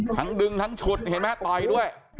ทั้งดึงทั้งฉุดเห็นมั้ยต่อยด้วย